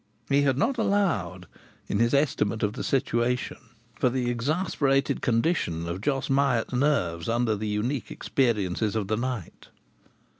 He had not allowed, in his estimate of the situation, for the exasperated condition of Jos Hyatt's nerves under the unique experiences of the night.